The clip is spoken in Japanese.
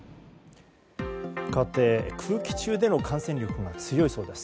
かわって、空気中での感染力も強いそうです。